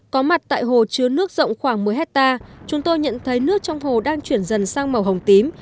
có mặt tại hồ chứa nước rộng khoảng một mươi hectare chúng tôi nhận thấy nước trong hồ đang chuyển dần sang màu hồng tím